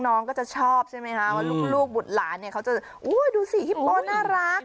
น้องก็จะชอบว่าลูกบุ๋ดหลานดูสิฮิปโปน่ารัก